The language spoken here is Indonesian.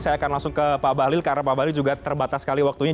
saya akan langsung ke pak bahlil karena pak bahlil juga terbatas sekali waktunya